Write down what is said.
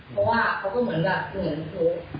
เพราะว่าเขาเหมือนกับ